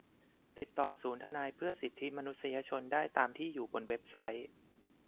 ติดต่อศูนย์ทนายความเพื่อสิทธิมนุษยชนได้ตามที่อยู่บนเว็บไซต์